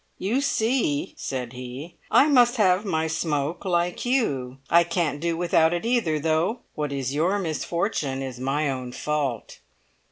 "You see," said he, "I must have my smoke like you! I can't do without it either, though what is your misfortune is my own fault.